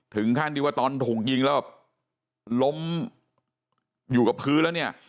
ถึงขั้นที่ว่าตอนถูกยิงแล้วล้มอยู่กับพื้นแล้วเนี่ย